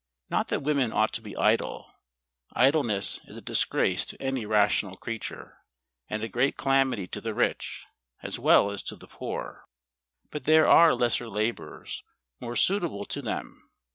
Not that women ought to be idle. Idleness is a disgrace to any rational creature; and a great calamity to the rich, as Well as to the poor. But there are lesser labours, more suitable to them.